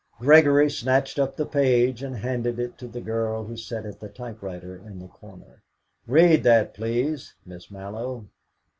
Gregory snatched up the page and handed it to the girl who sat at the typewriter in the corner. "Read that, please, Miss Mallow."